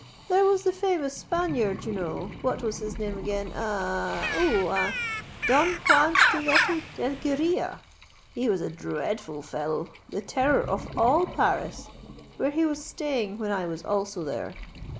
"There was the famous Spaniard, you know—what was his name again? Oh! ah! Don Juan Stiletto del Guerilla! He was a dreadful fellow—the terror of all Paris, where he was staying when I was also there.